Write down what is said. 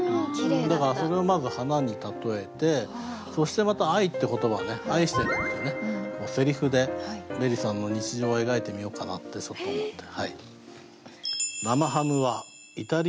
だからそれをまず花に例えてそしてまた「愛」って言葉はね「愛してる」っていうねセリフでベリさんの日常を描いてみようかなってちょっと思って。